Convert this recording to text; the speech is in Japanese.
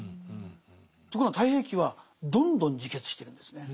ところが「太平記」はどんどん自決してるんですね。